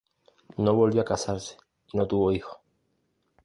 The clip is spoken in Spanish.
No volvió a casarse y no tuvo hijos.